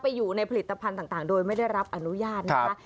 อยู่ในผลิตภัณฑ์ต่างโดยไม่ได้รับอนุญาตนะคะ